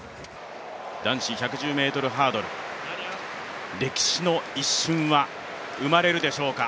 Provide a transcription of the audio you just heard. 男子１１０ｍハードル歴史の一瞬は生まれるでしょうか。